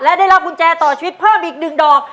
และได้รับกุญแจต่อชีวิตเพิ่มอีก๑ดอก